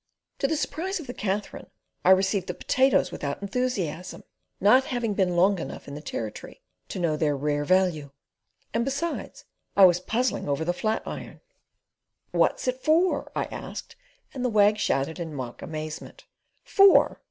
To the surprise of the Katherine, I received the potatoes without enthusiasm, not having been long enough in the Territory to know their rare value, and, besides, I was puzzling over the flat iron. "What's it for?" I asked, and the Wag shouted in mock amazement: "For!